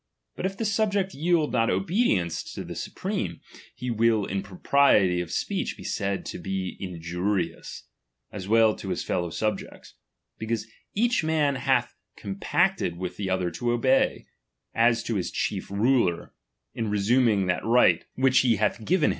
But if the subject yield not obedience to the supreme, he will in pro t»Tiety of speech be said to be injurious, as well to ^"»is fellow subjects, because each man hath com X>acted with the other to obey ; as to his chief rjikr, in resuming that right which be hath given 102 DOMINION.